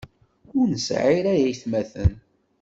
Ur nesɛi aytmaten.